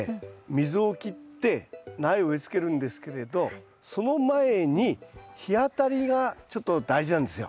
溝を切って苗を植えつけるんですけれどその前に日当たりがちょっと大事なんですよ。